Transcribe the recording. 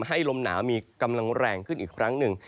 จะทำให้ลมหนามีกำลังแรงขึ้นอีกครั้งหนึ่ง